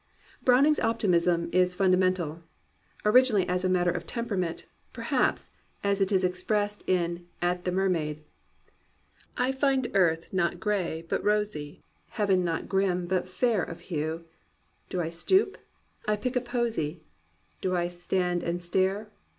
'Browning's optimism is fundamental. Originally a matter of temperament, perhaps, as it is expressed in At the Mermaid, — "I find earth not gray, but rosy. Heaven not grim but fair of hue. Do I stoop ? I pluck a posy, Do I stand and stare?